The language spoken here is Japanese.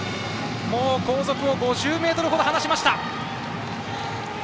もう後続を５０ｍほど離しました。